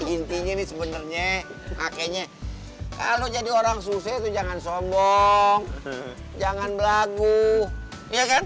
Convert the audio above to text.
intinya nih sebenernya kalau jadi orang susih tuh jangan sombong jangan berlagu iya kan